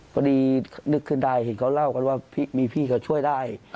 พอดีนึกขึ้นได้เห็นเขาเล่ากันว่ามีพี่เขาช่วยได้